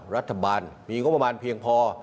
รัฐบาลมีงบมันเพียงพอ